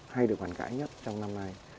hay được hoàn cãi nhất trong năm nay